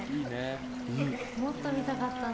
もっと見たかったな。